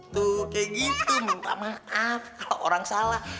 tuh kayak gitu minta maaf kalau orang salah